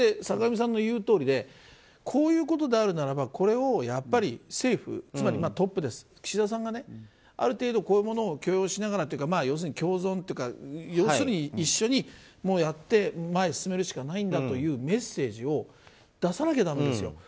坂上さんの言うとおりでこういうことであるならばこれを政府つまりトップ、岸田さんがある程度こういうものを許容しながらというか共存というか要するに、一緒にやって前に進めるしかないんだというメッセージを出さなきゃだめですよ。